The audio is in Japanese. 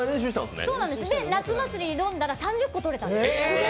で、夏祭りに挑んだら、３０個、取れたんです。